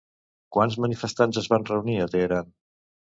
Quants manifestants es van reunir a Teheran?